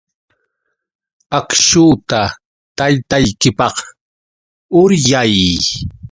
Akśhuta taytaykipaq uryay.